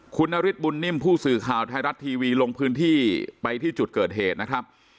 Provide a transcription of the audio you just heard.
คุณนฤทธบุญนิ่มผู้สื่อข่าวไทยรัฐทีวีลงพื้นที่ไปที่จุดเกิดเหตุนะครับ